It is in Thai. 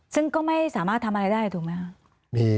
ซึ่งก็ไม่สามารถทำอะไรได้ถูกไหมครับ